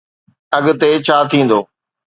اڳتي ڇا ٿيندو؟